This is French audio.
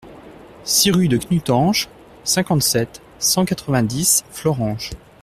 six rue de Knutange, cinquante-sept, cent quatre-vingt-dix, Florange